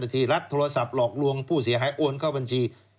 ที่รัฐโทรศัพท์หลอกลวงผู้เสียหายโอนเข้าบัญชี